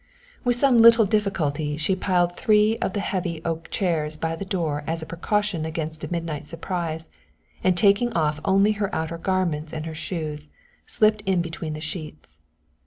With some little difficulty she piled three of the heavy oak chairs by the door as a precaution against a midnight surprise, and taking off only her outer garments and her shoes, slipped in between the sheets.